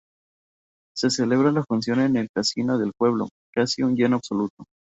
Se celebra la función en el casino del pueblo, con un lleno absoluto.